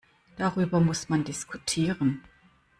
Darüber muss man diskutieren.